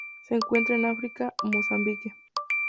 Se encuentran en África: Mozambique.